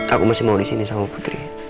aku masih mau disini sama putri